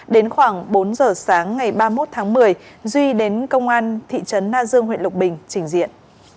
đến khoảng bốn giờ sáng ngày ba mươi một tháng một mươi duy đến công an thị trấn na dương huyện lộc bình trình diện